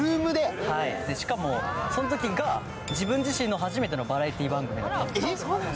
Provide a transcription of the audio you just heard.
しかもそのときが自分自身の初めてのバラエティー番組でした。